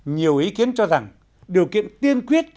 nhiều ý kiến cho rằng điều kiện tiên quyết